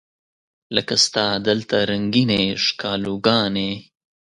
لکه ستا دلته رنګینې ښکالو ګانې